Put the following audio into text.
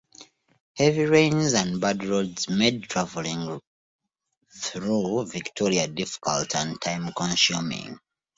Heavy rains and bad roads made travelling through Victoria difficult and time-consuming.